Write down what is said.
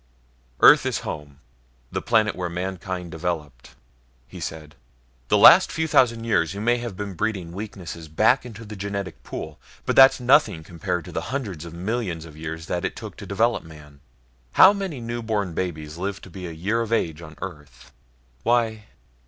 "Earth is home, the planet where mankind developed," he said. "The last few thousand years you may have been breeding weaknesses back into the genetic pool. But that's nothing compared to the hundred millions of years that it took to develop man. How many newborn babies live to be a year of age on Earth?" "Why